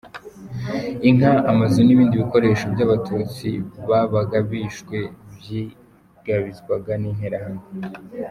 Inka, amazu n’ibindi bikoresho by’abatutsi babaga bishwe byigabizwaga n’Interahamwe.